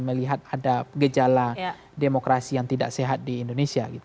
melihat ada gejala demokrasi yang tidak sehat di indonesia